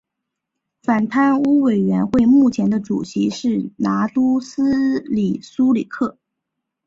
反贪污委员会目前的主席是拿督斯里苏克里。